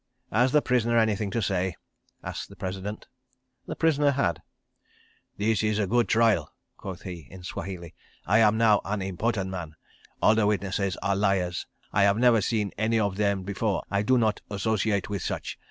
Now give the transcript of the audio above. "Has the prisoner anything to say?" asked the President. The prisoner had. "This is a good trial," quoth he, in Swahili. "I am now an important man. All the witnesses are liars. I have never seen any of them before. I do not associate with such.